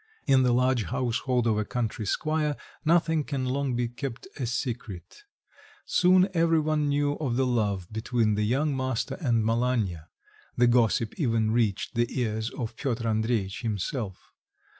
In the large household of a country squire nothing can long be kept a secret; soon every one knew of the love between the young master and Malanya; the gossip even reached the ears of Piotr Andreitch himself.